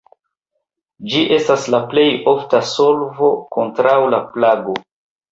Ĝi estas la plej ofta solvo kontraŭ la plago.